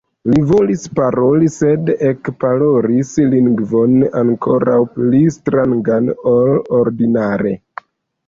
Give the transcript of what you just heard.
Li volis paroli, sed ekparolis lingvon ankoraŭ pli strangan ol ordinare.